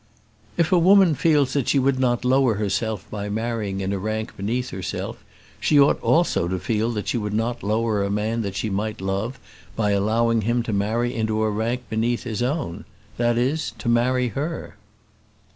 "If a woman feels that she would not lower herself by marrying in a rank beneath herself, she ought also to feel that she would not lower a man that she might love by allowing him to marry into a rank beneath his own that is, to marry her."